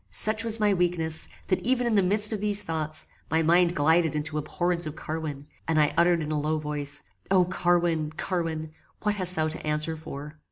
Such was my weakness, that even in the midst of these thoughts, my mind glided into abhorrence of Carwin, and I uttered in a low voice, O! Carwin! Carwin! What hast thou to answer for?